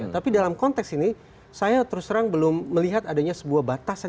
tapi dalam konteks ini saya terus terang belum melihat adanya sebuah batasan